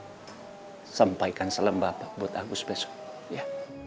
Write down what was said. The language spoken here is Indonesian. fit sampaikan selam bapak buat agus besok ya